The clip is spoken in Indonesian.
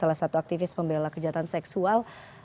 salah satu aktivis pembela kejahatan seksual